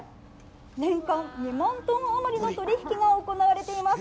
年間２万トン余りの取引が行われています。